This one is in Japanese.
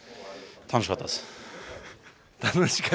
楽しかったです。